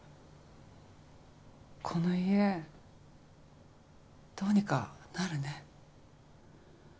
この家どうにかなるね。